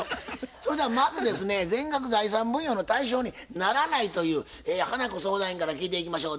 それではまずですね全額財産分与の対象にならないという花子相談員から聞いていきましょう。